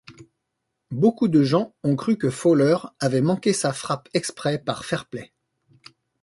Beaucoup de gens ont cru que Fowler avait manqué sa frappe exprès, par fair-play.